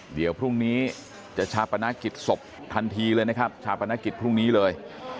เดี๋ยวพรุ่งนี้จะชาปนกิจศพทันทีเลยนะครับชาปนกิจพรุ่งนี้เลย